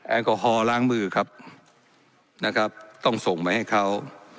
แอลกอฮอลล้างมือครับนะครับต้องส่งไปให้เขา